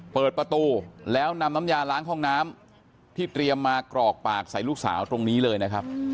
เปิดประตูแล้วนำน้ำยาล้างห้องน้ำที่เตรียมมากรอกปากใส่ลูกสาวตรงนี้เลยนะครับ